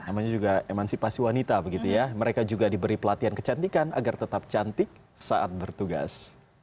namanya juga emansipasi wanita begitu ya mereka juga diberi pelatihan kecantikan agar tetap cantik saat bertugas